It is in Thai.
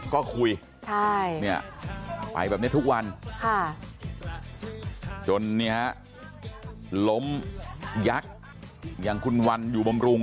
ก็คุยไปแบบนี้ทุกวันจนล้มยักษ์อย่างคุณวันอยู่บำรุง